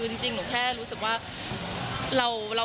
แต่รู้สึกว่า